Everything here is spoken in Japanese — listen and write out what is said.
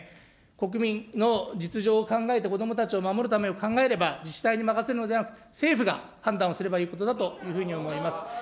国民の実情を考えて子どもたちを守るためを考えれば、自治体に任せるのではなく、政府が判断をすればいいことだというふうに思います。